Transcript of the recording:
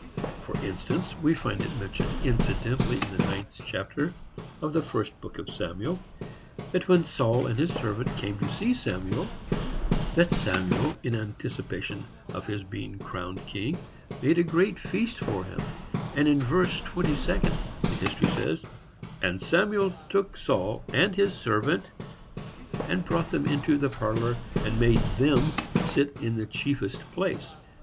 For instance, we find it mentioned incidentally in the ninth chapter of the first book of Samuel, that when Saul and his servant came to see Samuel, that Samuel, in anticipation of his being crowned king, made a great feast for him; and in verse twenty second the history says: "And Samuel took Saul and his servant, and brought them into the parlor, and made them sit in the chiefest place."